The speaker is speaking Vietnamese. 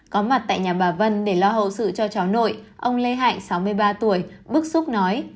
có mặt tại nhà bà vân để lo hậu sự cho cháu nội ông lê hạnh sáu mươi ba tuổi bức xúc nói